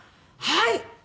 はい！